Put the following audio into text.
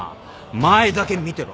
前だけ見てろ。